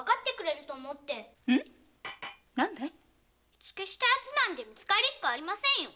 火付けした奴なんて見つかりっこありませんよ。